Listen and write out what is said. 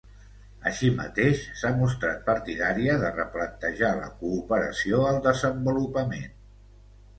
Així mateix, s’ha mostrat partidària de replantejar la cooperació al desenvolupament.